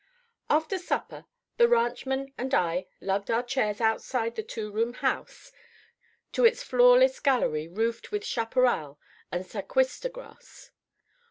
After supper the ranchman and I lugged our chairs outside the two room house, to its floorless gallery roofed with chaparral and sacuista grass.